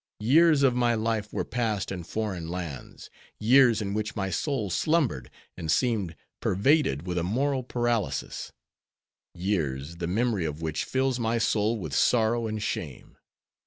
Years of my life were passed in foreign lands; years in which my soul slumbered and seemed pervaded with a moral paralysis; years, the memory of which fills my soul with sorrow and shame.